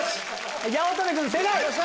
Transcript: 八乙女君正解！